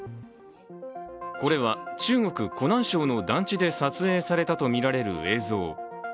これは中国・湖南省の団地で撮影されたとみられる映像。